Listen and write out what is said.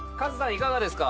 いかがですか？